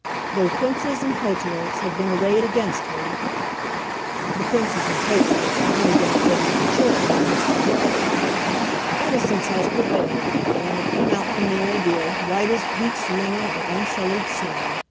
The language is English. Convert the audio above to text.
Though princes and potentates have been arrayed against me [the princes and potentates had no doubt been Lord Chiltern and Mr. Low], innocence has prevailed, and I have come out from the ordeal white as bleached linen or unsullied snow.